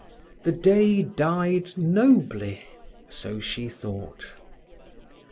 The day died nobly, so she thought.